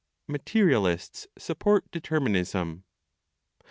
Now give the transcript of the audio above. MATERIALISTS SUPPORT DETERMINISM.